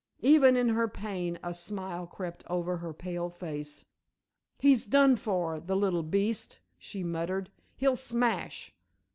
Even in her pain a smile crept over her pale face. "He's done for, the little beast," she muttered, "he'll smash.